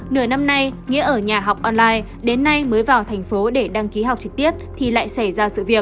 nửa năm nay nghĩa ở nhà học online đến nay mới vào thành phố để đăng ký học trực tiếp thì lại xảy ra sự việc